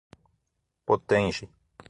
Potengi